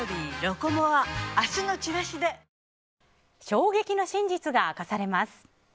衝撃の真実が明かされます。